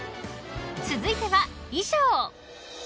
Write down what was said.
［続いては衣装］